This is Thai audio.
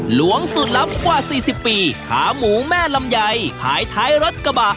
หลวงสุดลับกว่าสี่สิบปีขาหมูแม่ลำใหญ่ขายท้ายรสกระบะ